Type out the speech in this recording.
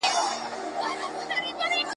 ور نیژدې یوه جاله سوه په څپو کي `